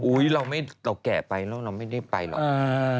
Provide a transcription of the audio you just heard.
อุ้ยเราแกะไปแล้วเราไม่ได้ไปหรอก